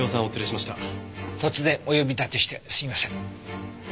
突然お呼び立てしてすいません。